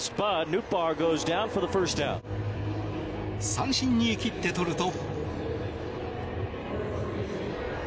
三振に切ってとると。